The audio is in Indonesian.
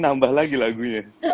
nambah lagi lagunya